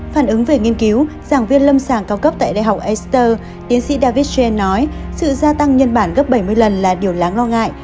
phản ứng về nghiên cứu giảng viên lâm sàng cao cấp tại đại học ester tiến sĩ david gen nói sự gia tăng nhân bản gấp bảy mươi lần là điều đáng lo ngại